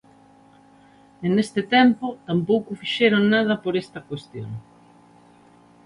E neste tempo tampouco fixeron nada por esta cuestión.